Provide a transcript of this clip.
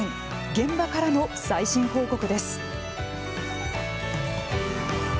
現場からの最新報告です。